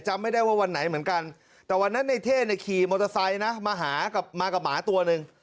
จำไม่ได้ว่าวันไหนเหมือนกันแต่วันนั้นในเท่เนี่ยขี่มอเตอร์ไซค์นะมาหากับมากับหมาตัวหนึ่ง